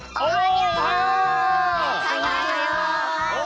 はい。